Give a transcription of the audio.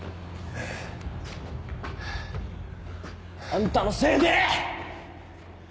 あんたのせいで！